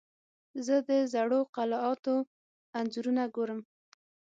زه د زړو قلعاتو انځورونه ګورم.